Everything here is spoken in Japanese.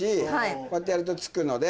こうやってやるとつくので。